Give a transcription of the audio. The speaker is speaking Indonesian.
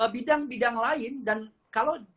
bidang bidang lain dan kalau